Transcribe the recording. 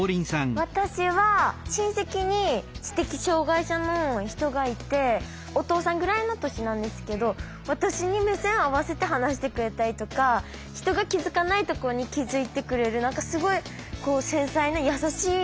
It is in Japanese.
私は親戚に知的障害者の人がいてお父さんぐらいの年なんですけど私に目線合わせて話してくれたりとか人が気づかないところに気づいてくれる何かすごい繊細な優しい印象があります。